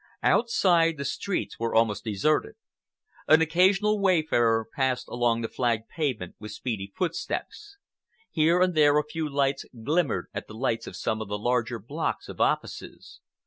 Outside, the streets were almost deserted. An occasional wayfarer passed along the flagged pavement with speedy footsteps. Here and there a few lights glimmered at the windows of some of the larger blocks of offices.